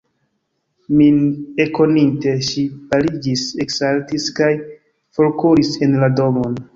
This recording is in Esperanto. Min ekkoninte, ŝi paliĝis, eksaltis kaj forkuris en la domon.